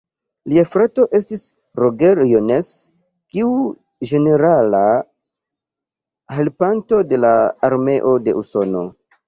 Lia frato estis Roger Jones, kiu igis ĝenerala helpanto de la armeo de Usono.